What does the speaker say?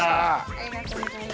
ありがとうございます。